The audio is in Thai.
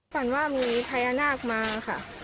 ฝันว่ามีพญานาคมาค่ะ